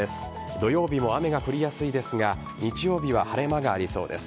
土曜日も雨が降りやすいですが日曜日は晴れ間がありそうです。